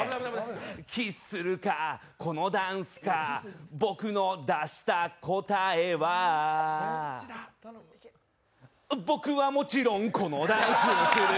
キスするか、このダンスか、僕の出した答えは僕はもちろんこのダンスをする！